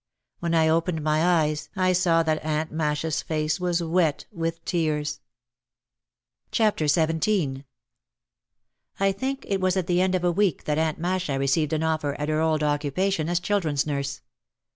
When I opened my eyes I saw that Aunt Masha's face was wet with tears. OUT OF THE SHADOW 75 XVII I think it was at the end of a week that Aunt Masha received an offer at her old occupation as children's nurse.